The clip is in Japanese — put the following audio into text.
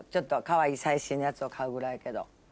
かわいい最新のやつを買うぐらいやけど。